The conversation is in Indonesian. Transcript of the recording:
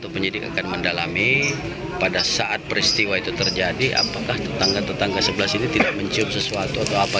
penyidik akan mendalami pada saat peristiwa itu terjadi apakah tetangga tetangga sebelah sini tidak mencium sesuatu atau apa